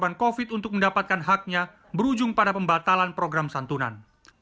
dan mereka juga berharap untuk mendapatkan haknya berujung pada pembatalan program santunan